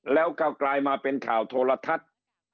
แล้วก็กลายมาเป็นข่าวโทรทัศน์